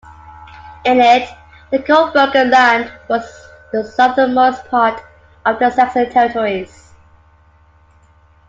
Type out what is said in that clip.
In it, the Coburger Land was the southernmost part of the Saxon territories.